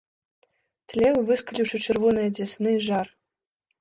Тлеў, выскаліўшы чырвоныя дзясны, жар.